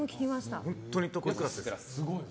本当にトップクラス！